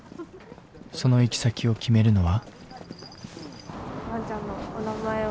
その行き先を決めるのは？